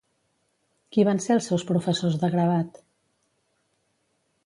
Qui van ser els seus professors de gravat?